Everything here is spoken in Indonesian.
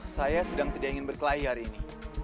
saya sedang tidak ingin berkelahi hari ini